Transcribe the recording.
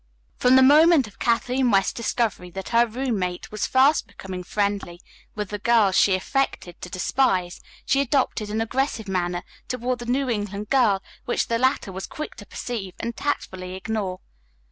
From the moment of Kathleen West's discovery that her roommate was fast becoming friendly with the very girls she affected to despise, she adopted an aggressive manner toward the New England girl which the latter was quick to perceive and tactfully ignore.